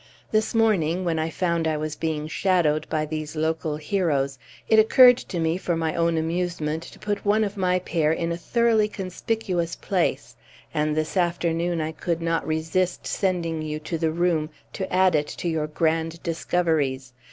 This morning when I found I was being shadowed by these local heroes, it occurred to me for my own amusement to put one of my pair in a thoroughly conspicuous place, and this afternoon I could not resist sending you to the room to add it to your grand discoveries.